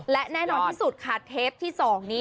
และแน่นอนที่สุดค่ะเทปที่๒นี้